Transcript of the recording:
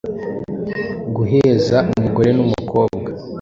Guheza umugore n’umukobwa